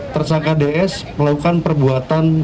tersangka ds melakukan perbuatan